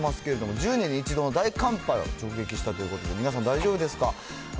１０年に１度の大寒波が直撃したということで、皆さん、大丈夫ですか？